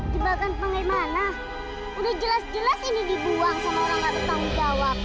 jelas jelas ini dibuang sama orang